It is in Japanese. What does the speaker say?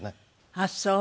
あっそう。